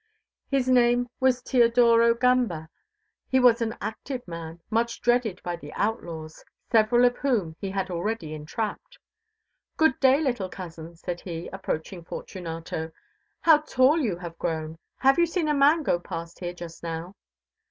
His name was Tiodoro Gamba; he was an active man, much dreaded by the outlaws, several of whom he had already entrapped. "Good day, little cousin," said he, approaching Fortunato; "how tall you have grown. Have you seen a man go past here just now?"